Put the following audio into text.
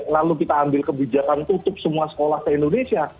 lalu kita ambil kebijakan tutup semua sekolah di indonesia